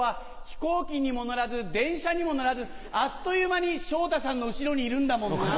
飛行機にも乗らず電車にも乗らずあっという間に昇太さんの後ろにいるんだもんな。